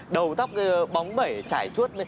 đầu tóc bóng bẩy trải chuốt